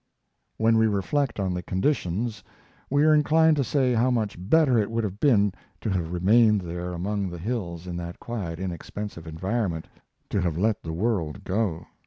When we reflect on the conditions, we are inclined to say how much better it would have been to have remained there among the hills in that quiet, inexpensive environment, to have let the world go.